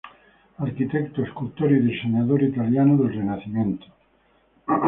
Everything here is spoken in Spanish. Arquitecto, escultor y diseñador italiano del Renacimiento.